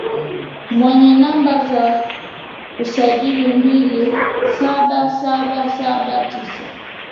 mwenye namba za usajili mbili saba saba saba tisa